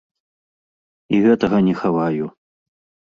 І гэтага не хаваю.